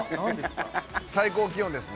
最高気温ですね。